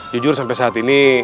jujur sampai saat ini